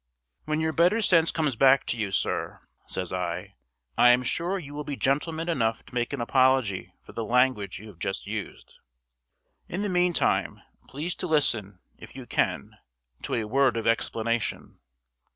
"When your better sense comes back to you, sir," says I, "I am sure you will be gentleman enough to make an apology for the language you have just used. In the meantime, please to listen, if you can, to a word of explanation.